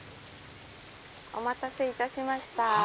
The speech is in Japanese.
お待たせいたしました。